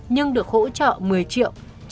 nhưng được hỗ trợ một mươi triệu